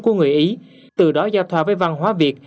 của người ý từ đó giao thoa với văn hóa việt